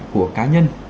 của cá nhân